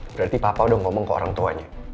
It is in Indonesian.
berarti papa udah ngomong ke orang tuanya